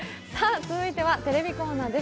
続いてはテレビコーナーです。